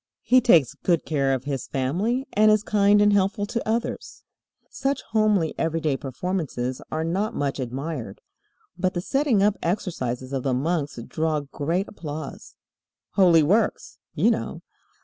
He takes good care of his family, and is kind and helpful to others. Such homely, everyday performances are not much admired. But the setting up exercises of the monks draw great applause. Holy works, you know.